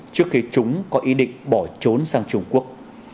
trước khi chúng có ý định bỏ trốn sang trung quốc